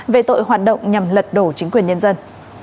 về tội hoạt động nhằm lật đổ chính quyền nhân dân